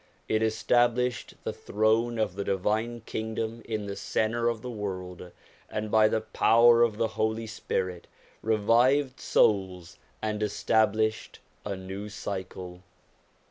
It established the Throne of the Divine Kingdom in the centre of the world, and by the power of the Holy Spirit revived souls and established a new cycle.